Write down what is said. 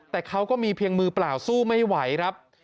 แต่เขาก็มีเพียงมือเปล่าสู้ไม่ไหวครับ